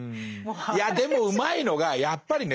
いやでもうまいのがやっぱりね